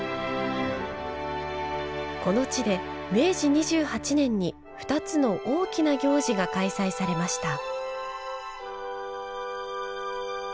この地で、明治２８年に２つの大きな行事が開催されました。